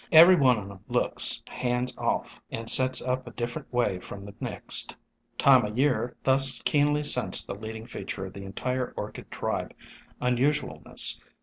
Every one on 'em looks ' hands off !' and sets up a different way from the next." 123 124 SOME HUMBLE ORCHIDS Time o' Year thus keenly sensed the leading feature of the entire Orchid tribe — unusualness.